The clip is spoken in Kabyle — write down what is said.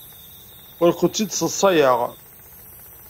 Ur ken-id-sseḍsayeɣ.